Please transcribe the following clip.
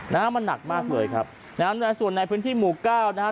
น้ำมันหนักมากเลยครับนะฮะส่วนในพื้นที่หมู่เก้านะฮะ